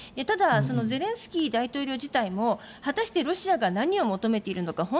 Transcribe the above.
ただ、ゼレンスキー大統領自体も果たしてロシアが何を求めているのか